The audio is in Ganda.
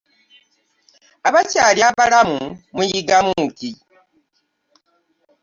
Abakyali abalamu muyigamu ki?